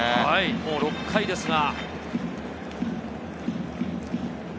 もう６回ですが。